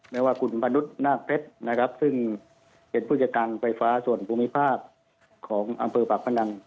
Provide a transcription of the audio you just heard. ไม่ว่าคุณมนุษย์นาคเพชรนะครับซึ่งเป็นผู้จัดการไฟฟ้าส่วนภูมิภาคของอำเภอปากพนัน